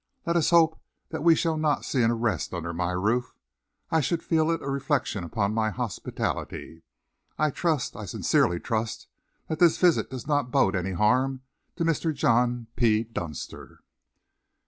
"Let us hope that we shall not see an arrest under my roof. I should feel it a reflection upon my hospitality. I trust, I sincerely trust, that this visit does not bode any harm to Mr. John P. Dunster."